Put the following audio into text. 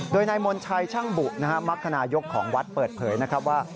โดยนายมนชัยช่างบุมักคณายกของวัดเปิดเผยนะครับว่า